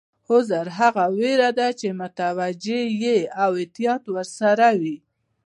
حذر هغه وېره ده چې متوجه یې او احتیاط ورسره وي.